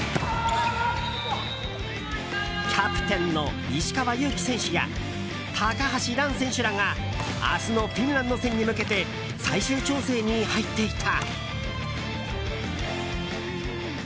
キャプテンの石川祐希選手や高橋藍選手らが明日のフィンランド戦に向けて最終調整に入っていた。